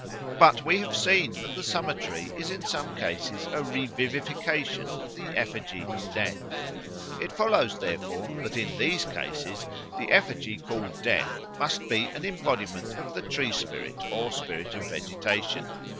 But we have seen that the Summer tree is in some cases a revivification of the effigy of Death. It follows, therefore, that in these cases the effigy called Death must be an embodiment of the tree spirit or spirit of vegetation.